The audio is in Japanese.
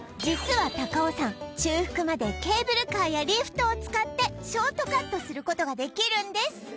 実は高尾山中腹までケーブルカーやリフトを使ってショートカットすることができるんです